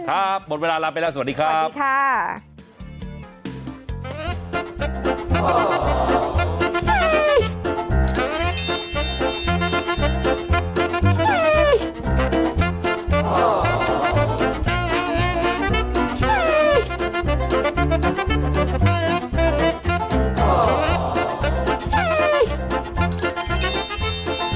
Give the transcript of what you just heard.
ครับหมดเวลาลาไปแล้วสวัสดีครับ